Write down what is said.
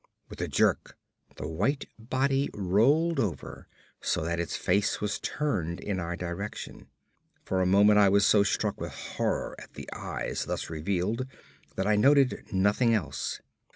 With a jerk, the white body rolled over so that its face was turned in our direction. For a moment I was so struck with horror at the eyes thus revealed that I noted nothing else.